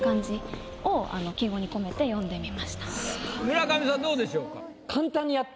村上さんどうでしょうか？